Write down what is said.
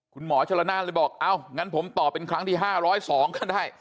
คุณหมอชนละนานเลยบอกอ้าวงั้นผมตอบเป็นครั้งที่๕๐๒ก็ได้